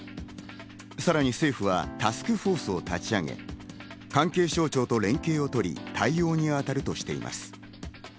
さらに政府はタスクフォースを立ち上げ、関係省庁と連携を取り対応にあたるとしています。